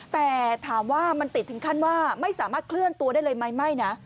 แต่ถามว่ามันติดถึงขั้นว่าไม่สามารถเคลื่อนตัวได้เลยไหมไม่นะ